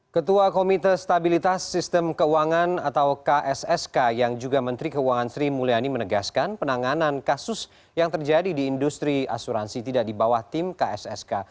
ketua komite stabilitas sistem keuangan atau kssk yang juga menteri keuangan sri mulyani menegaskan penanganan kasus yang terjadi di industri asuransi tidak di bawah tim kssk